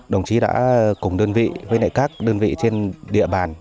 đồng chí đã cùng đơn vị với các đơn vị trên địa bàn